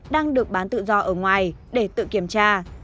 đang được bán tự do ở ngoài để tự kiểm tra